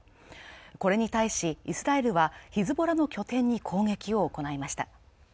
これに対し、イスラエルはヒズボラの拠点に攻撃を行いました。